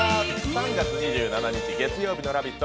３月２７日月曜日の「ラヴィット！」